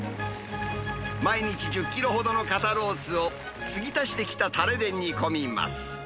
毎日１０キロほどの肩ロースを、継ぎ足してきたたれで煮込みます。